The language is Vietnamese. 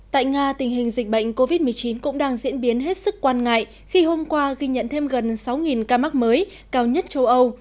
tại nga tình hình dịch bệnh covid một mươi chín cũng đang diễn biến hết sức quan ngại khi hôm qua ghi nhận thêm gần sáu ca mắc mới cao nhất châu âu